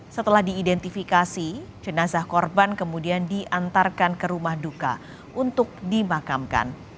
setelah diidentifikasi jenazah korban kemudian diantarkan ke rumah duka untuk dimakamkan